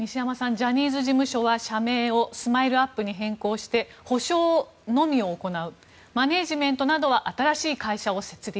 ジャニーズ事務所は社名をＳＭＩＬＥ−ＵＰ．に変更して補償のみを行うマネジメントなどは新しい会社を設立。